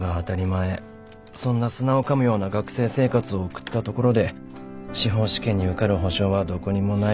そんな砂をかむような学生生活を送ったところで司法試験に受かる保証はどこにもない。